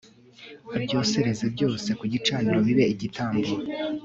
abyosereze byose ku gicaniro bibe igitambo